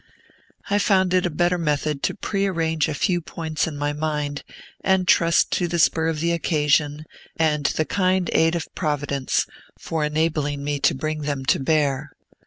I found it a better method to prearrange a few points in my mind, and trust to the spur of the occasion, and the kind aid of Providence, for enabling me to bring them to bear.